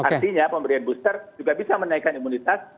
artinya pemberian booster juga bisa menaikkan imunitas